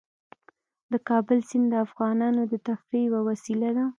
د کابل سیند د افغانانو د تفریح یوه وسیله ده.